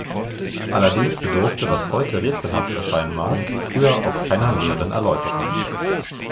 Allerdings bedurfte, was heute rätselhaft erscheinen mag, früher oft keiner näheren Erläuterung.